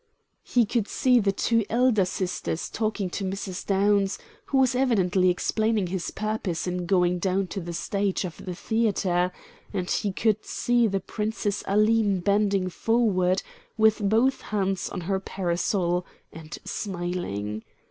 He could see the two elder sisters talking to Mrs. Downs, who was evidently explaining his purpose in going down to the stage of the theatre, and he could see the Princess Aline bending forward, with both hands on her parasol, and smiling.